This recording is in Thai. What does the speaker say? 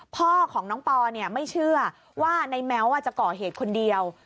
พ่อของน้องปอเนี่ยไม่เชื่อว่าน้ายน้องจะก่อเหตุคนเดียว